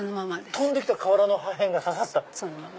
飛んで来た瓦の破片が刺さった。